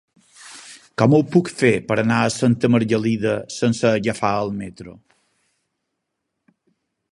Com ho puc fer per anar a Santa Margalida sense agafar el metro?